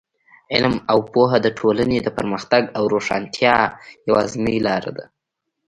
علم او پوهه د ټولنې د پرمختګ او روښانتیا یوازینۍ لاره ده.